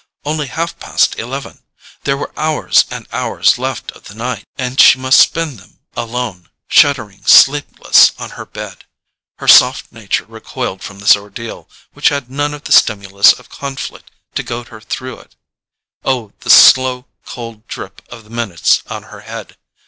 Only half past eleven—there were hours and hours left of the night! And she must spend them alone, shuddering sleepless on her bed. Her soft nature recoiled from this ordeal, which had none of the stimulus of conflict to goad her through it. Oh, the slow cold drip of the minutes on her head!